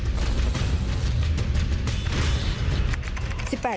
สวัสดีครับ